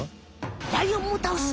ライオンもたおす！